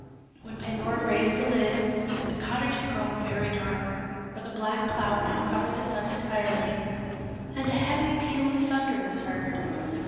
When Pandora raised the lid, the cottage had grown very dark, for the black cloud now covered the sun entirely and a heavy peal of thunder was heard.